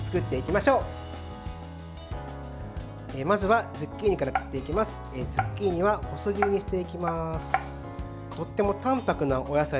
まずはズッキーニから切っていきます。